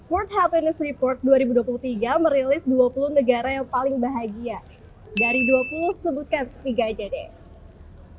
world happiness report dua ribu dua puluh tiga merilis dua puluh negara yang paling bahagia dari dua puluh sebutkan tiga aja deh